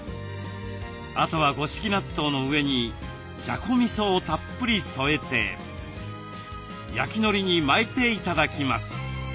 あとは五色納豆の上にじゃこみそをたっぷり添えて焼きのりに巻いて頂きます。